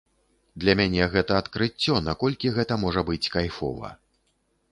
Для мяне гэта адкрыццё, наколькі гэта можа быць кайфова.